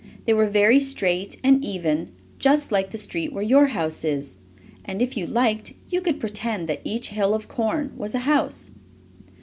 They were very straight and even, just like the street where your house is, and, if you liked, you could pretend that each hill of corn was a house.